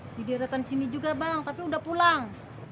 di deretan sini juga bang tapi udah pulang